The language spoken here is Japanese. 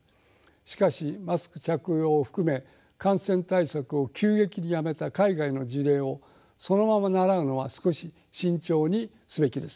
しかしマスク着用を含め感染対策を急激にやめた海外の事例をそのまま倣うのは少し慎重にすべきです。